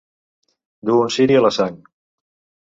Dur un ciri a la Sang.